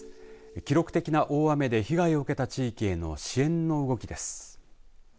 記録的な大雨で被害を受けた地域への支援の動きです。